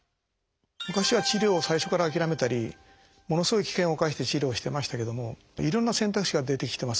昔は治療を最初から諦めたりものすごい危険を冒して治療をしてましたけどもいろんな選択肢が出てきてます。